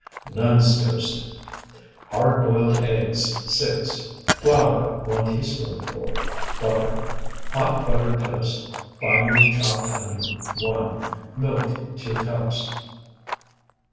NUN'S TOAST Hard boiled eggs, 6. Flour, 1 teaspoonful. Butter. Hot buttered toast. Finely chopped onion, 1. Milk, 2 cups.